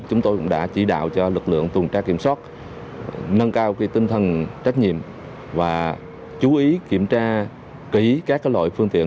chúng tôi cũng đã chỉ đạo cho lực lượng tuần tra kiểm soát nâng cao tinh thần trách nhiệm và chú ý kiểm tra kỹ các loại phương tiện